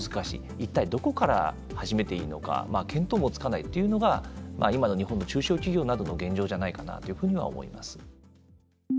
一体、どこから始めていいのか見当もつかないっていうのが今の日本の中小企業などの現状じゃないかなというふうには思います。